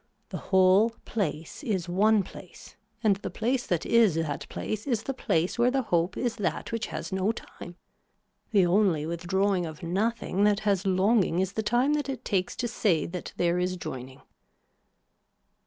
The whole place is one place and the place that is that place is the place where the hope is that which has no time. The only withdrawing of nothing that has longing is the time that it takes to say that there is joining.